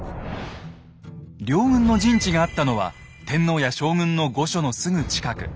両軍の陣地があったのは天皇や将軍の御所のすぐ近く。